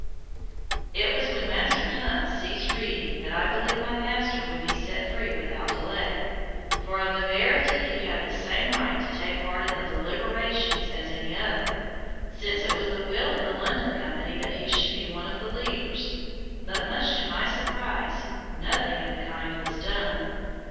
It was when Master Hunt ceased reading that I believed my master would be set free without delay, for of a verity he had the same right to take part in the deliberations as any other, since it was the will of the London Company that he should be one of the leaders; but much to my surprise nothing of the kind was done.